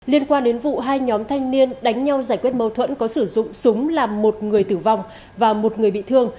liên quan đến vụ hai nhóm thanh niên đánh nhau giải quyết mâu thuẫn có sử dụng súng làm một người tử vong và một người bị thương